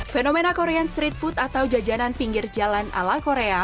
fenomena korean street food atau jajanan pinggir jalan ala korea